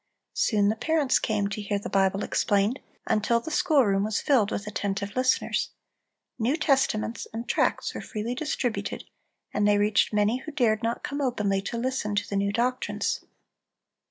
Soon the parents came to hear the Bible explained, until the schoolroom was filled with attentive listeners. New Testaments and tracts were freely distributed, and they reached many who dared not come openly to listen to the new doctrines.